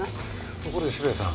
ところで渋谷さん。